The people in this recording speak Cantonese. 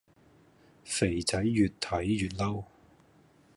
肥仔愈睇愈嬲